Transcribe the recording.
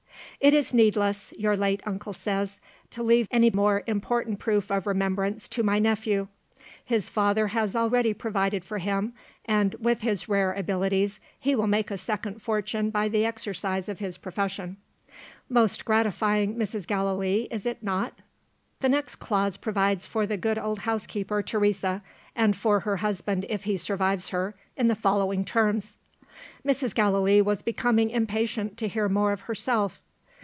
'It is needless' (your late uncle says) 'to leave any more important proof of remembrance to my nephew. His father has already provided for him; and, with his rare abilities, he will make a second fortune by the exercise of his profession.' Most gratifying, Mrs. Gallilee, is it nor? The next clause provides for the good old housekeeper Teresa, and for her husband if he survives her, in the following terms " Mrs. Gallilee was becoming impatient to hear more of herself.